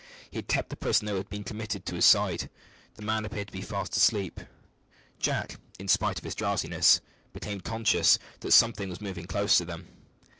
He had kept the prisoner who had been committed to his side. The man appeared to be fast asleep. Jack, in spite of his drowsiness, became conscious that something was moving close to them.